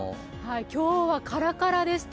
今日はカラカラでした。